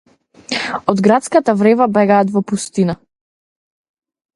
Од градската врева бегаат во пустина